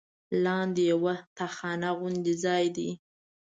لاندې یوه تاخانه غوندې ځای دی.